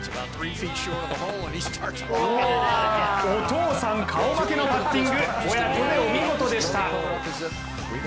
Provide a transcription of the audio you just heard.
お父さん顔負けのパッティング、親子でお見事でした。